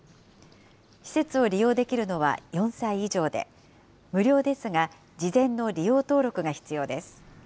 施設を利用できるのは４歳以上で、無料ですが、事前の利用登録が必要です。